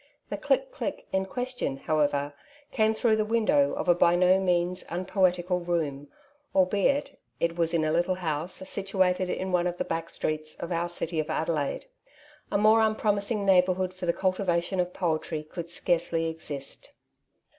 The "click, click'' in question, however, came through the window of a by no means unpoetical room, albeit it was in a little house, situated in one of the back streets of our city of Adelaide. A more unpromising neighbourhood for the cultivation of poetry could scarcely exist.